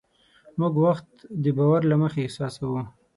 موږ وخت د باور له مخې احساسوو.